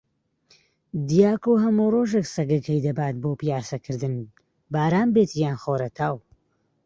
دیاکۆ هەموو ڕۆژێک سەگەکەی دەبات بۆ پیاسەکردن، باران بێت یان خۆرەتاو.